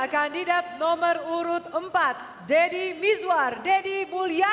sampai jumpa di video selanjutnya